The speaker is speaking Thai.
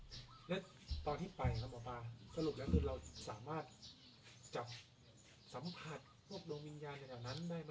สรุปแล้วคือเราสามารถจับสัมผัสพวกโดมิญญาณในดังนั้นได้ไหม